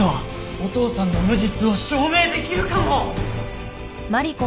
お父さんの無実を証明できるかも！